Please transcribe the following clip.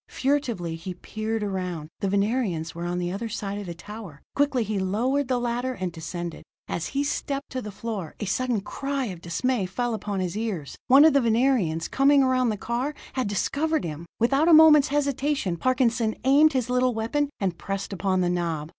Furtively he peered around. The Venerians were on the other side of the tower. Quickly he lowered the ladder and descended. As he stepped to the floor, a sudden cry of dismay fell upon his ears. One of the Venerians, coming around the car, had discovered him. Without a moment's hesitation, Parkinson aimed his little weapon, and pressed upon the knob.